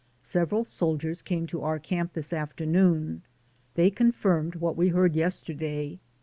Several soldiers came to our camp this afternoon; they confirmed what we heard yesterday.